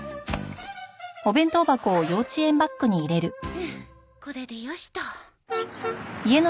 はあこれでよしと。